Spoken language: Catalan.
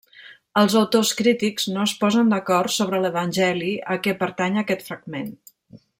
Els autors crítics no es posen d'acord sobre l'evangeli a què pertany aquest fragment.